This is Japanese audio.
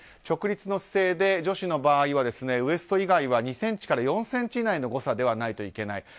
直立の姿勢で女子の場合はウェスト以外は２ｃｍから４ｃｍ以内の誤差ではないといけない。